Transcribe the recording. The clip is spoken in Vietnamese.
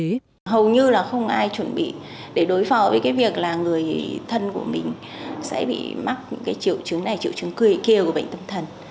điều đáng nói là không ai chuẩn bị để đối phó với việc người thân của mình sẽ bị mắc những triệu chứng này triệu chứng kia của bệnh tâm thần